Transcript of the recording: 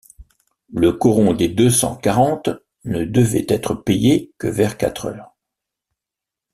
Le coron des Deux-Cent-Quarante ne devait être payé que vers quatre heures.